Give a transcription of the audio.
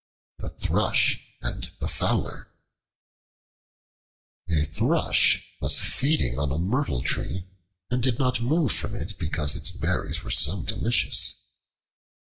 The Thrush and the Fowler A THRUSH was feeding on a myrtle tree and did not move from it because its berries were so delicious.